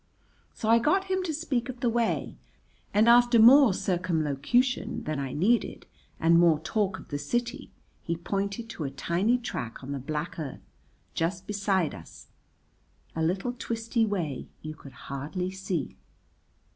So I got him to speak of the way, and after more circumlocution than I needed and more talk of the city he pointed to a tiny track on the black earth just beside us, a little twisty way you could hardly see.